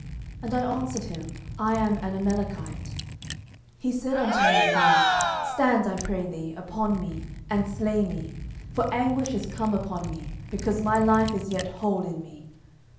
And I answered him, I am an Amalekite. 10:001:009 He said unto me again, Stand, I pray thee, upon me, and slay me: for anguish is come upon me, because my life is yet whole in me.